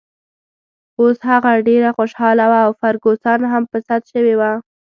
اوس هغه ډېره خوشحاله وه او فرګوسن هم په سد شوې وه.